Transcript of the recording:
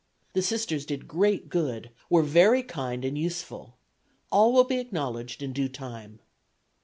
The Sisters did great good, were very kind and useful. All will be acknowledged in due time."